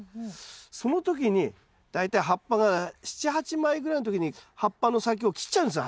その時に大体葉っぱが７８枚ぐらいの時に葉っぱの先を切っちゃうんですよ